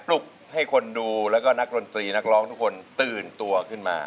ลุกให้คนดูแล้วก็นักดนตรีนักร้องทุกคนตื่นตัวขึ้นมา